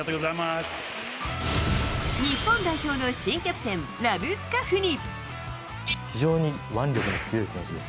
日本代表の新キャプテンラブスカフニ。